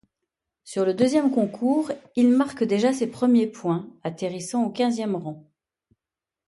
Sur le deuxième concours, il marque déjà ses premiers points, atterrissant au quinzième rang.